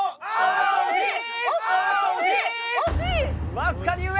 僅かに上。